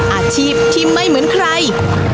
อาชีพที่ไม่เหมือนใคร